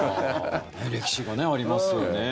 歴史がありますよね。